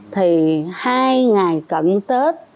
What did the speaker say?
thì hai ngày cận tết